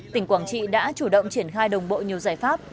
tỉnh quảng trị đã chủ động triển khai đồng bộ nhiều giải pháp